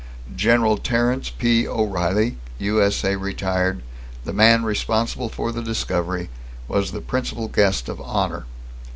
"_ _General Terence P. O'Reilly, USA (Retired), the man responsible for the discovery, was the principal guest of honor.